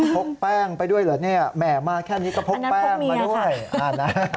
พกแป้งไปด้วยเหรอเนี่ยแหมมาแค่นี้ก็พกแป้งมาด้วยนะ